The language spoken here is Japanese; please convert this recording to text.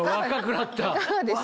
いかがですか？